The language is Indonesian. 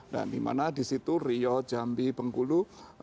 nah dimana di situ rio jambi bengkulu